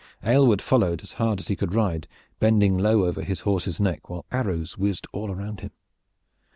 Aylward followed as hard as he could ride, bending low over his horse's neck, while arrows whizzed all around him.